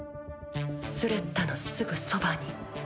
スレッタのすぐそばに。